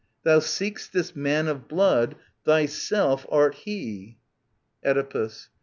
Thou seek*st this man of blood : Thyself art he Oedipus.